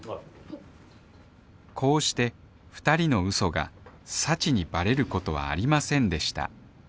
こうしてふたりの嘘が幸にバレることはありませんでした